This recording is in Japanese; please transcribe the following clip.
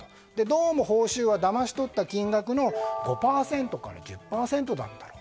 どうも報酬はだまし取った金額の５％から１０％程度だったと。